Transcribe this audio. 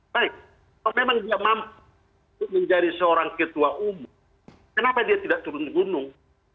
baik kalau memang dia mampu menjadi seorang ketua umum kenapa dia tidak turun gunung